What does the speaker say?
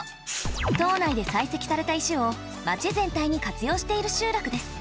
島内で採石された石を町全体に活用している集落です。